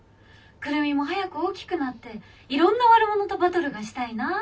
クルミも早く大きくなっていろんな悪者とバトルがしたいなぁ」。